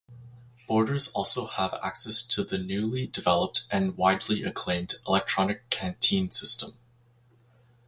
Boarders also have access to the newly developed and widely acclaimed electronic canteen system.